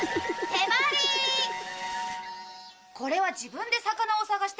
これは自分で魚を探して追っかけて